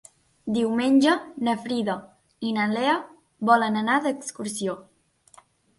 Diumenge na Frida i na Lea volen anar d'excursió.